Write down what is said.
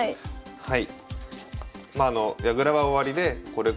はい。